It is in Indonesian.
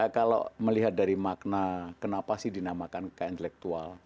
kalau melihat dari makna kenapa sih dinamakan kekayaan intelektual